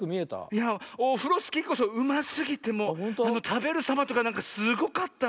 いやオフロスキーこそうますぎてもうたべるさまとかなんかすごかったわ。